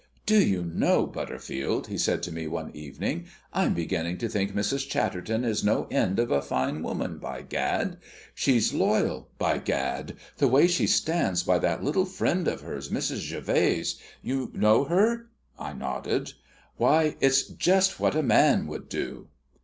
"Do you know, Butterfield," he said to me one evening, "I'm beginning to think Mrs. Chatterton is no end of a fine woman, by Gad! She's loyal, by Gad! The way she stands by that little friend of hers, Mrs. Gervase you know her" (I nodded) "why, it's just what a man would do!"